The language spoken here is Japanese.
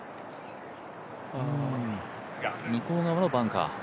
向こう側のバンカー。